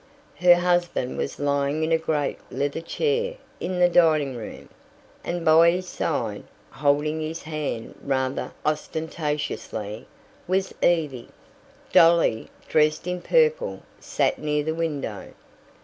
Her husband was lying in a great leather chair in the dining room, and by his side, holding his hand rather ostentatiously, was Evie. Dolly, dressed in purple, sat near the window.